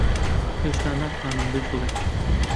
هێشتا ناتوانم بجووڵێم.